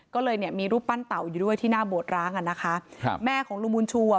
ก็เลยเนี่ยมีรูปปั้นเต่าอยู่ด้วยที่หน้าโบสร้างอ่ะนะคะครับแม่ของลุงบุญชูอ่ะ